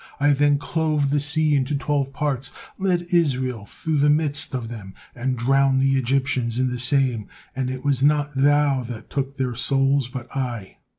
I then clove the sea into twelve parts, led Israel through the midst of them, and drowned the Egyptians in the same, and it was not thou that took their souls, but I.